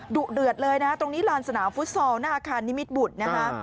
ดุเดือดเลยนะตรงนี้ลานสนามฟุตซอลหน้าอาคารนิมิตบุตรนะคะ